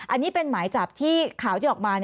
อันนี้เป็นหมายจับที่ข่าวที่ออกมา